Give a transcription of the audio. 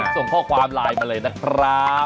ส่งข้อความไลน์มาเลยนะครับ